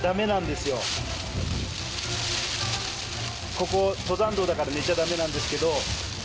ここ登山道だから寝ちゃダメなんですけど。